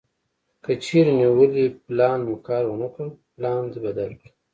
کچېرې نیولی پلان مو کار ونه کړ پلان دې بدل کړه.